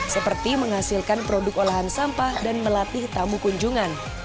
seperti menghasilkan produk olahan sampah dan melatih tamu kunjungan